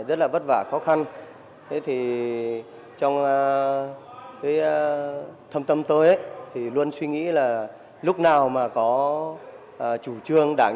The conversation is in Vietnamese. rất là bất vả khó khăn thế thì trong cái thâm tâm tôi thì luôn suy nghĩ là lúc nào mà có chủ trương